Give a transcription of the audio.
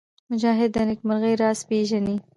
مجاهد د نېکمرغۍ راز پېژني.